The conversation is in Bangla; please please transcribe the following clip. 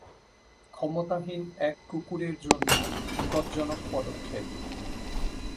ক্ষমতাহীন এক কুকুরের জন্য বিপজ্জনক পদক্ষেপ।